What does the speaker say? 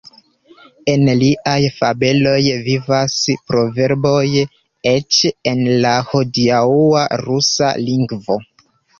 El liaj fabeloj vivas proverboj eĉ en la hodiaŭa rusa lingvo.